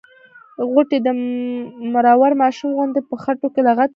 غوټۍ د مرور ماشوم غوندې په خټو کې لغتې وهلې.